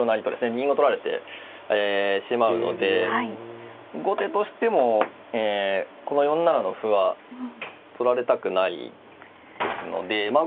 銀を取られてしまうので後手としてもこの４七の歩は取られたくないですのでまあ